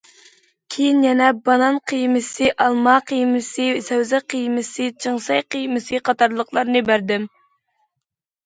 كېيىن يەنە بانان قىيمىسى، ئالما قىيمىسى، سەۋزە قىيمىسى، چىڭسەي قىيمىسى قاتارلىقلارنى بەردىم.